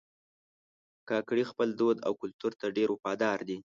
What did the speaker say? کاکړي خپل دود او کلتور ته ډېر وفادار دي.